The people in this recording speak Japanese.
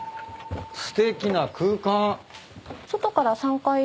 すてきな空間。